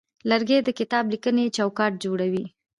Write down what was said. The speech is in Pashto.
لرګی د کتابلیکنې چوکاټ جوړوي.